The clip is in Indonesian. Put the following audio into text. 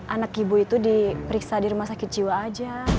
anak ibu itu diperiksa di rumah sakit jiwa aja